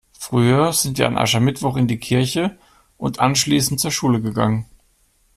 Früher sind wir an Aschermittwoch in die Kirche und anschließend zur Schule gegangen.